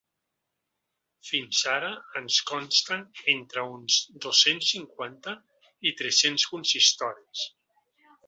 Fins ara ens consten entre uns dos-cents cinquanta i tres-cents consistoris.